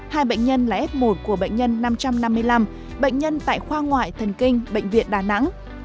hai bệnh nhân là f một của bệnh nhân năm trăm năm mươi năm bệnh nhân tại khoa ngoại thần kinh bệnh viện đà nẵng